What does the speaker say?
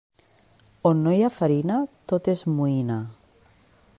A on no hi ha farina, tot és moïna.